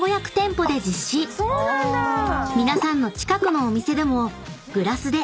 ［皆さんの近くのお店でも「グラスで」